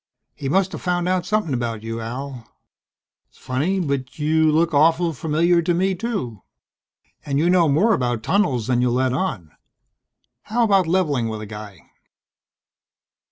"He musta found out something about you, Al. S'funny but you look awful familiar to me too. And you know more about tunnels than you let on. How about leveling with a guy?"